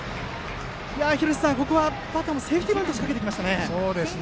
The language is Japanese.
廣瀬さん、ここはバッターもセーフティーバントをしました。